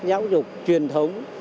giáo dục truyền thống